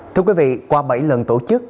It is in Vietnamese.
thưa quý vị qua bảy lần tổ chức